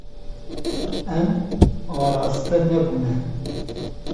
Em araste nebûne.